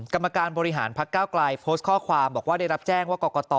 กรรมการบริหารพักเก้าไกลโพสต์ข้อความบอกว่าได้รับแจ้งว่ากรกต